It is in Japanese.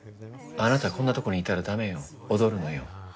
あなた、こんなところにいたらダメよ、踊るのよ。